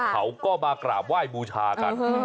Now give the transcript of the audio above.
เขาก็มากราบไหว้บูชากัน